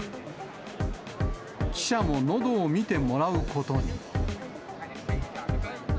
記者ものどを見てもらうことに。